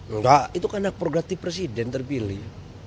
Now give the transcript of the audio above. enggak itu karena progratif presiden terpilih